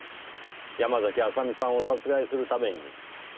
山嵜麻美さんを殺害するために。